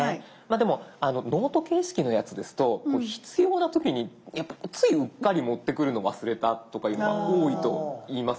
でもノート形式のやつですと必要な時にやっぱついうっかり持ってくるのを忘れたとかいうのは多いといいます。